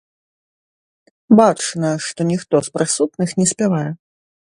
Бачна, што ніхто з прысутных не спявае.